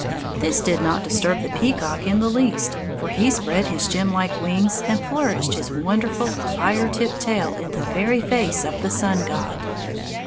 This did not disturb the peacock in the least; for he spread his gem like wings and flourished his wonderful, fire tipped tail in the very face of the sun god!